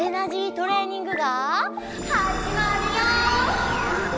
トレーニングがはじまるよ！